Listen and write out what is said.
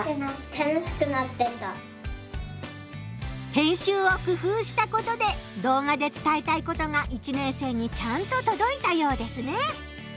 編集を工夫したことで動画で伝えたいことが１年生にちゃんととどいたようですね！